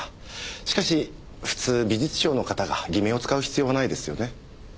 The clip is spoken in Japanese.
しかし普通美術商の方が偽名を使う必要はないですよね？